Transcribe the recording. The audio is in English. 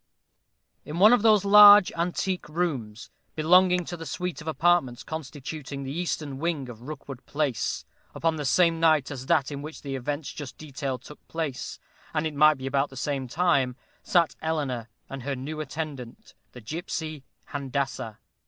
_ In one of those large antique rooms, belonging to the suite of apartments constituting the eastern wing of Rookwood Place upon the same night as that in which the events just detailed took place, and it might be about the same time, sat Eleanor, and her new attendant, the gipsy Handassah.